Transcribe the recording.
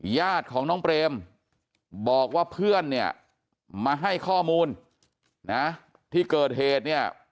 ญาติของน้องเปรมบอกว่าเพื่อนเนี่ยมาให้ข้อมูลนะที่เกิดเหตุเนี่ย